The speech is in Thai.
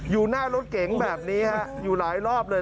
อยู่หน้ารถเก๋งแบบนี้ฮะอยู่หลายรอบเลย